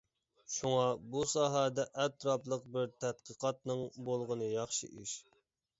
شۇڭا بۇ ساھەدە ئەتراپلىق بىر تەتقىقاتنىڭ بولغىنى ياخشى ئىش.